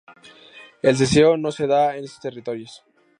El seseo no se da en estos territorios.